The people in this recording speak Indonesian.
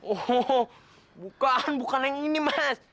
oh bukan bukan yang ini mas